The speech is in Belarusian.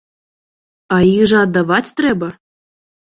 А іх жа аддаваць трэба!